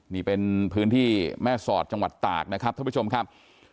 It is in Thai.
นี่เป็นพื้นที่แม่สอดจังหวัดตากนะครับท่านผู้ชมครับ